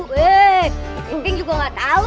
weh iping juga ga tahu